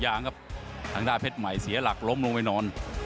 ยังครับทางด้านเพชรใหม่เสียหลักล้มลงไปนอน